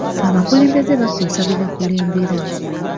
Abakulembeze bakyusa be bakulembera.